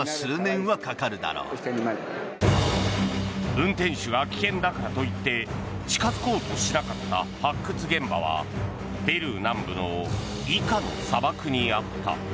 運転手が危険だからと言って近付こうとしなかった発掘現場はペルー南部のイカの砂漠にあった。